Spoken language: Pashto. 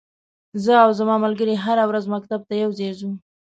زه او ځما ملګری هره ورځ مکتب ته یوځای زو.